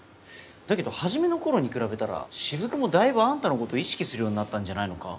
だけど初めの頃に比べたら雫もだいぶあんたのこと意識するようになったんじゃないのか？